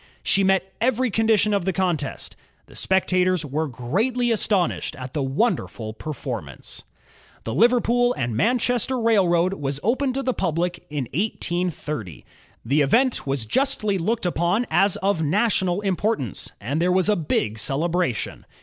She met every condition of the contest. The spectators were greatly astonished at the wonderful per formance. The Liverpool and Manchester Railroad was opened to the public in 1830. The event was justly looked upon as of national importance, and there was a big celebration.